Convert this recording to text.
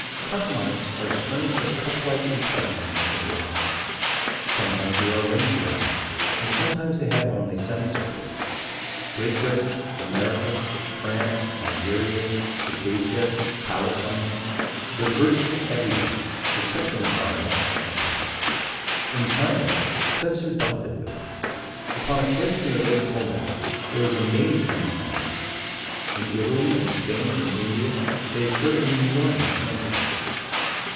Cup marks are strings of cup like impressions in rocks. Sometimes there are rings around them, and sometimes they have only semi circles. Great Britain, America, France, Algeria, Circassia, Palestine: they're virtually everywhere except in the far north, I think. In China, cliffs are dotted with them. Upon a cliff near Lake Como, there is a maze of these markings. In Italy and Spain and India they occur in enormous numbers.